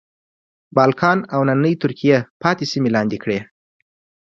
بالکان او نننۍ ترکیې پاتې سیمې لاندې کړې.